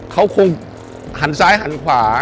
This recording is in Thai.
เขาคงหันซ้ายหันขวา